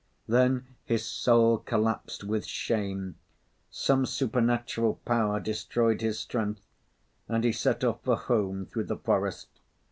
Then his soul collapsed with shame. Some supernatural power destroyed his strength, and he set out for home through the forest.